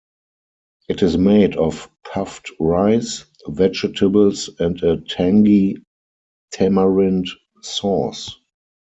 It is made of puffed rice, vegetables and a tangy tamarind sauce.